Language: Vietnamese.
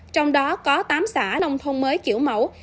trong đó có tám xã nông thôn mới kiểu mẫu